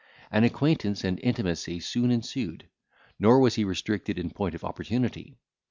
An acquaintance and intimacy soon ensued, nor was he restricted in point of opportunity.